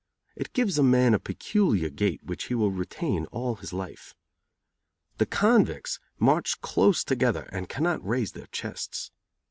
It gives a man a peculiar gait which he will retain all his life. The convicts march close together and cannot raise their chests.